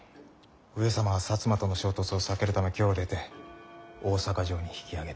上様は摩との衝突を避けるため京を出て大坂城に引きあげた。